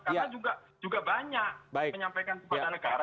karena juga banyak menyampaikan kepada negara